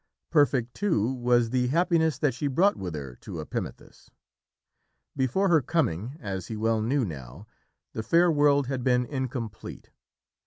Perfect, too, was the happiness that she brought with her to Epimethus. Before her coming, as he well knew now, the fair world had been incomplete.